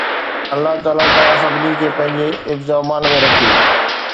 الله تعاليٰ توهان سڀني کي پنهنجي حفظ و امان ۾ رکي.